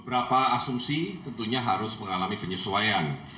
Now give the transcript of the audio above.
beberapa asumsi tentunya harus mengalami penyesuaian